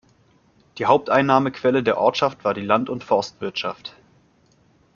Die Haupteinnahmequelle der Ortschaft war die Land- und Forstwirtschaft.